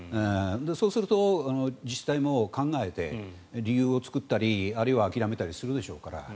そうすると自治体も考えて理由を作ったりあるいは諦めたりするでしょうから。